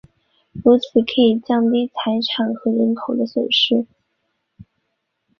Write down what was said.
如此可以降低财产和人口的损失。